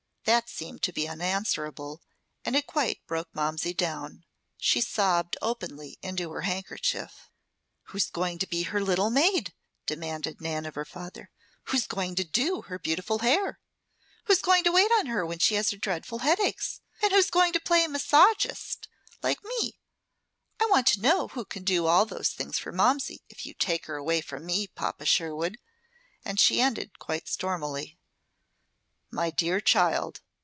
That seemed to be unanswerable, and it quite broke Momsey down. She sobbed openly into her handkerchief. "Who's going to be her little maid?" demanded Nan, of her father. "Who's going to 'do' her beautiful hair? Who's going to wait on her when she has her dreadful headaches? And who's going to play 'massagist' like me? I want to know who can do all those things for Momsey if you take her away from me, Papa Sherwood?" and she ended quite stormily. "My dear child!"